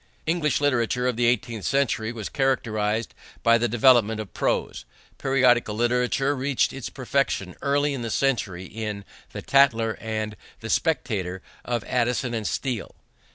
English literature of the eighteenth century was characterized by the development of prose. Periodical literature reached its perfection early in the century in The Tatler and The Spectator of Addison and Steele.